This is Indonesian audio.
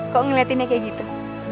kok ngeliatinnya kayak gitu